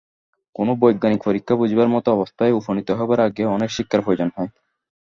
কোন বৈজ্ঞানিক পরীক্ষা বুঝিবার মত অবস্থায় উপনীত হইবার আগে অনেক শিক্ষার প্রয়োজন হয়।